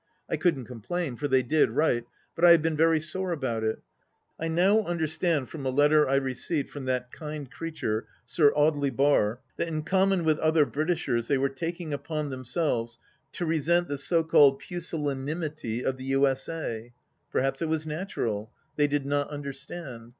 I couldn't complain, for they did write, but I have been very sore about it. I now imderstand from a letter I received from that kind creature. Sir Audely Bar, that in common with other Britishers they were taking upon themselves to resent the so called pusillanimity of the U.S.A. Perhaps it was natural ; they did not imderstand.